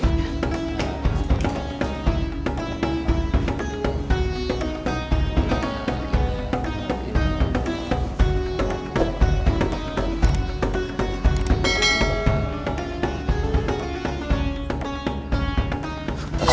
lima menit lagi